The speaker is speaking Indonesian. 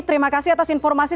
terima kasih atas informasi